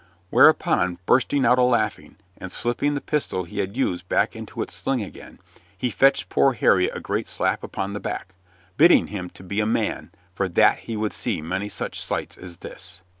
Whereupon, bursting out a laughing, and slipping the pistol he had used back into its sling again, he fetched poor Harry a great slap upon the back, bidding him be a man, for that he would see many such sights as this.